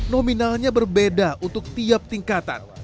nominalnya berbeda untuk tiap tingkatan